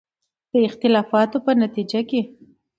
د اختلافاتو په نتیجه کې